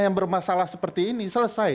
yang bermasalah seperti ini selesai